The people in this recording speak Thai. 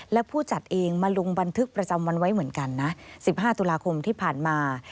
และผู้จัดเองมาลงบันทึกประจำวันไว้เหมือนกันนะ๑๕ตุลาคมที่ผ่านมา